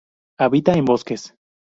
Habita en bosques.